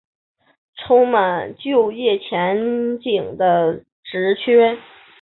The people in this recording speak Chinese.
充满就业前景的职缺